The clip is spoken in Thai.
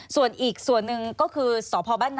ส่วนอีกส่วนหนึ่งก็คือสพบ้านนา